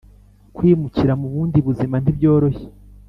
kwimukira mu bundi buzima nti byoroshye